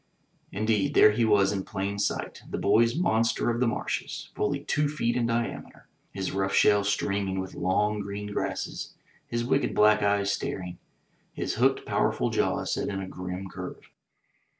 Indeed, there he was in plain sight, the boys' monster of the marshes, fully two feet in diameter, his rough shell streaming with long green grasses, his wicked black eyes staring, his hooked, powerful jaws set in a grim curve.